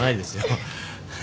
ハハ。